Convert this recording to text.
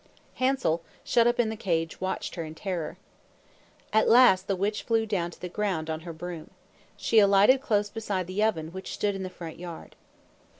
Hansel, shut up in the cage, watched her in terror. At last the witch flew down to the ground, on her broom. She alighted close beside the oven, which stood in the front yard.